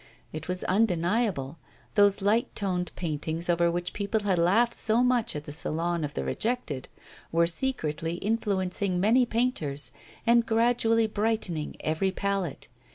It was undeniable; those light toned paintings over which people had laughed so much at the Salon of the Rejected were secretly influencing many painters, and gradually brightening every palette.